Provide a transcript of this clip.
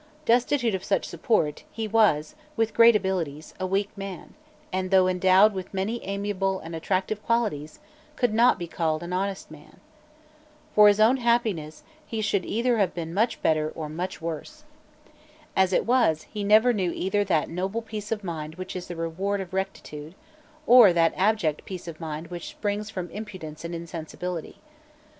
Destitute of such support, he was, with great abilities, a weak man, and, though endowed with many amiable and attractive qualities, could not be called an honest man. For his own happiness, he should either have been much better or much worse. As it was, he never knew either that noble peace of mind which is the reward of rectitude, or that abject peace of mind which springs from impudence and insensibility.